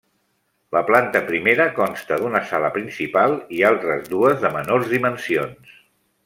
La planta primera consta d'una sala principal i altres dues de menors dimensions.